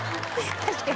確かに。